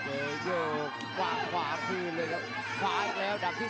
เจนเจอว่ากว่าที่เลยครับขวานอีกแล้วดับที่๒